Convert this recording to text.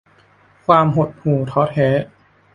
ความหดหู่ท้อแท้